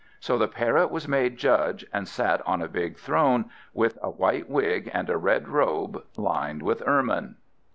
So the Parrot was made Judge, and sat on a big throne, with a white wig and a red robe lined with ermine.